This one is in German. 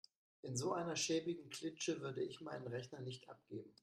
In so einer schäbigen Klitsche würde ich meinen Rechner nicht abgeben.